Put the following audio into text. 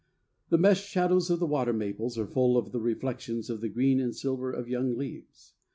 The meshed shadows of the water maples are full of the reflections of the green and silver of young leaves.